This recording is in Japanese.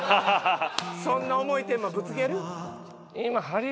そんな重いテーマぶつける？